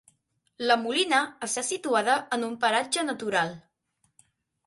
La Molina està situada en un paratge natural.